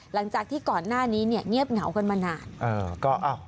หลังจากที่ก่อนหน้านี้เนี่ยเงียบเหงากันมานาน